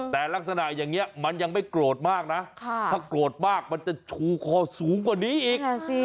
แต่ลักษณะอย่างนี้มันยังไม่โกรธมากนะถ้าโกรธมากมันจะชูคอสูงกว่านี้อีก